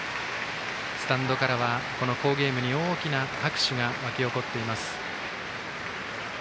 スタンドからは好ゲームに大きな拍手が沸き起こっています。